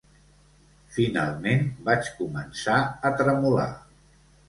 Finalment vaig començar a tremolar.